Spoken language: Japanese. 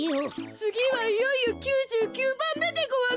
つぎはいよいよ９９ばんめでごわす。